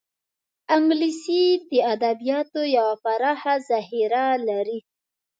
انګلیسي د ادبیاتو یوه پراخه ذخیره لري